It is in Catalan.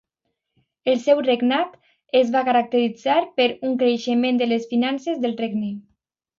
El seu regnat es va caracteritzar per un creixement de les finances del regne.